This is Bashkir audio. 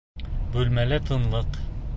Бүлмәлә тынлыҡ.